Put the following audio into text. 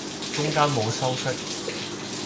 中間冇修飾